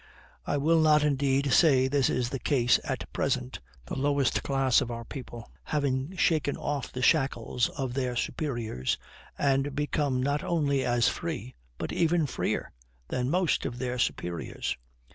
I will not indeed say this is the case at present, the lowest class of our people having shaken off all the shackles of their superiors, and become not only as free, but even freer, than most of their superiors.